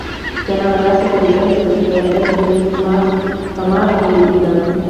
جانانه راشه که ديدن کړي د زنکدن خولې په ما راغلي دينه